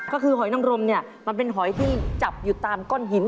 ก็คือหอยนังรมเนี่ยมันเป็นหอยที่จับอยู่ตามก้อนหิน